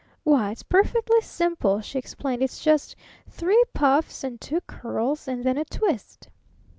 "Why, it's perfectly simple," she explained. "It's just three puffs, and two curls, and then a twist."